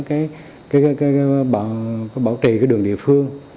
cái bảo trì đường địa phương